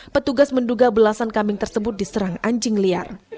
petugas menduga belasan kambing tersebut diserang anjing liar